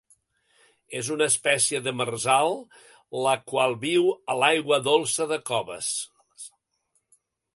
És una espècie demersal, la qual viu a l'aigua dolça de coves.